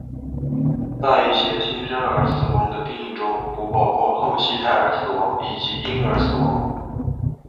在一些新生儿死亡的定义中不包括后期胎儿死亡以及婴儿死亡。